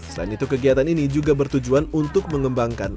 selain itu kegiatan ini juga bertujuan untuk mengembangkan